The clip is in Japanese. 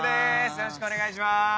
よろしくお願いします。